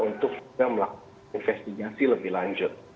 untuk melakukan investigasi lebih lanjut